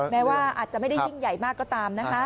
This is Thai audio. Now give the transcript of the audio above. แม้ว่าอาจจะไม่ได้ยิ่งใหญ่มากก็ตามนะคะ